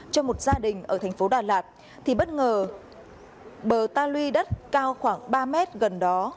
cho một gia đình ở tp đà lạt thì bất ngờ bờ ta lui đất cao khoảng ba m gần đó